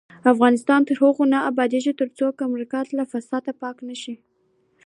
افغانستان تر هغو نه ابادیږي، ترڅو ګمرکات له فساده پاک نشي.